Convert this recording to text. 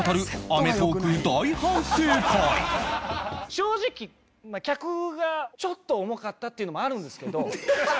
正直客がちょっと重かったっていうのもあるんですけど。